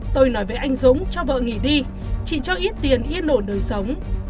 tôi nói về anh dũng cho vợ nghỉ đi chị cho ít tiền yên ổn đời sống